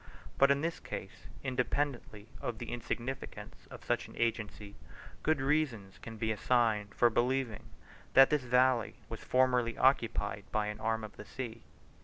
But in this case, independently of the insignificance of such an agency, good reasons can be assigned for believing that this valley was formerly occupied by an arm of the sea.